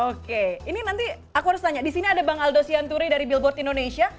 oke ini nanti aku harus tanya di sini ada bang aldo sianturi dari billboard indonesia